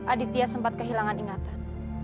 aditya sempat kehilangan ingatan